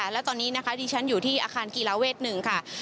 และตอนนี้ดิฉันอยู่ที่อาคารกีฬาเวศนึง